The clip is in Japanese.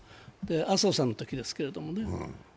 麻生さんのときですけれどもね。